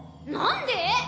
なんで？